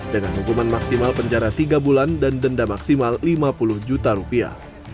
dengan hukuman maksimal penjara tiga bulan dan denda maksimal lima puluh juta rupiah